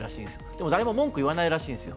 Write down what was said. でも誰も文句を言わないらしいんです。